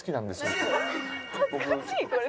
恥ずかしいこれ。